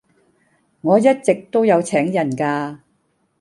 我一直都有請人架